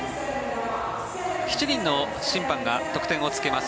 ７人の審判が得点をつけます。